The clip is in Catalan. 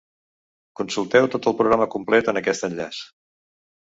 Consulteu tot el programa complet en aquest enllaç.